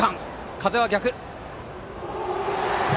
風は逆。